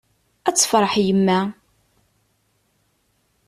Ad tefreḥ yemma!